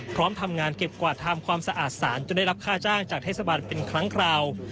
พร้อมทำงานเก็บกวาดทำความสะอาดสารจนได้รับค่าจ้างจากเทศบาลเป็นครั้งคราว